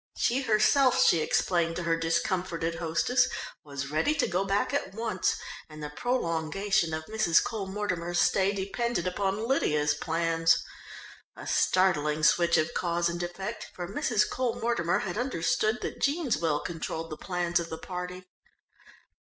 She, herself, she explained to her discomforted hostess, was ready to go back at once, and the prolongation of Mrs. Cole Mortimer's stay depended upon Lydia's plans. A startling switch of cause and effect, for Mrs. Cole Mortimer had understood that Jean's will controlled the plans of the party.